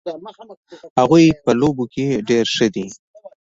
هغوی په لوبو کې ډېر ښه دي